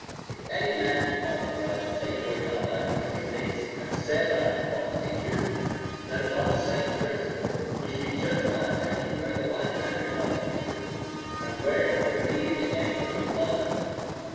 If any man is authorized to take away my life because he thinks and says I am a false teacher, then, upon the same principle, we should be justified in taking away the life of every false teacher, and where would be the end of blood?